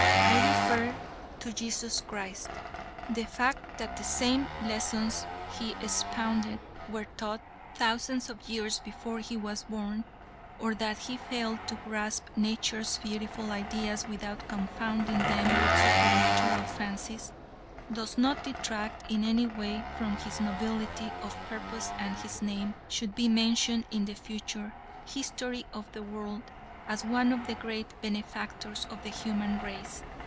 I refer to Jesus Christ. The fact that the same lessons he expounded were taught thousands of years before he was born, or that he failed to grasp nature's beautiful ideas without confounding them with supernatural fancies, does not detract in any way from his nobility of purpose and his name should be mentioned in the future history of the world as one of the great benefactors of the human race.